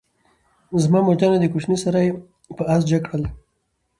زما مورجانه دکوچنی سره یې پر آس جګ کړل،